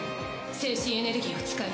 精神エネルギーを使い。